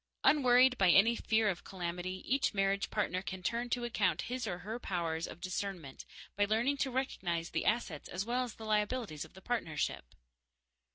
Unworried by any fear of calamity, each marriage partner can turn to account his or her powers of discernment by learning to recognize the assets as well as the liabilities of the partnership.